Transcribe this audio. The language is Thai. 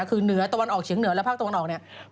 คือเหนือตะวันออกเฉียงเหนือและภาคตะวันออกเนี่ย